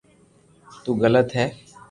تو غلط ھي